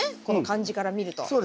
この感じから見ると。